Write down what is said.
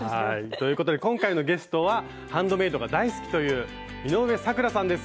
ということで今回のゲストはハンドメイドが大好きという井上咲楽さんです。